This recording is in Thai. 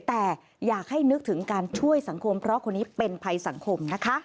แต่อยากให้นึกถึงการช่วยสังคมเพราะคนนี้เป็นภัยสังคมนะคะ